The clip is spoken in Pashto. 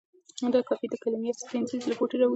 دا کافین د کمیلیا سینینسیس له بوټي راځي.